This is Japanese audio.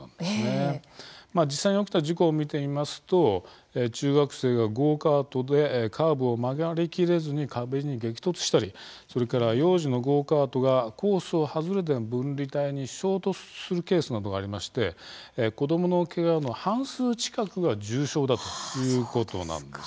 実際に起きた事故を見てみますと中学生がゴーカートでカーブを曲がり切れずに壁に激突したりそれから幼児のゴーカートがコースを外れて分離帯に衝突するケースなどがありまして子どものけがの半数近くが重傷だということなんです。